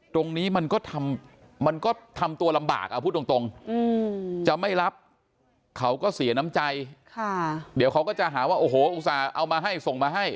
ตรงนี้มันก็ทำมันก็ทำตัวลำบากเอาพูดตรงจะไม่รับเขาก็เสียน้ำใจเดี๋ยวเขาก็จะหาว่าโอ้โหอุตส่าห์เอามาให้ส่งมาให้